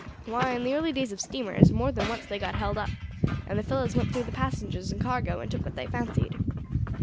Why, in the early days of steamers, more than once they got held up, and the fellows went through the passengers and cargo and took what they fancied.